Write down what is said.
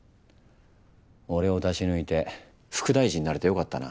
俺を出し抜いて副大臣になれて良かったな。